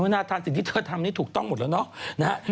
น่าทานสิ่งที่เธอทำนี่ถูกต้องหมดแล้วเนาะ